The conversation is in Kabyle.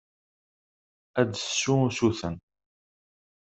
Ad d-tessu usuten.